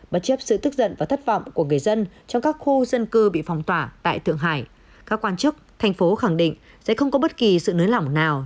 bất chấp sự tức giận và thất vọng của người dân trong các khu dân cư bị phong tỏa tại thượng hải các quan chức thành phố khẳng định sẽ không có bất kỳ sự nới lỏng nào